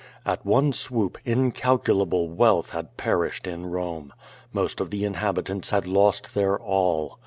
At one swoop incalculable wealth had perished in Rome. Most of the inhabitants had lost their all.